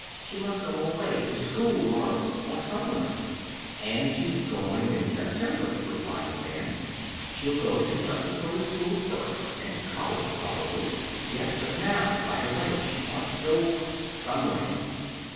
She must go away, to school, or or somewhere." "And she's going in September," replied the man. "She'll go to preparatory school first, and to college, probably." "Yes, but now right away. She ought to go somewhere."